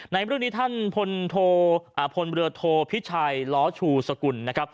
ในไว้เรื่องนี้ท่านปนหน่วยพิชัยล้อฉูสกุล